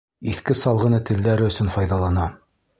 Иҫке салғыны телдәре өсөн файҙалана.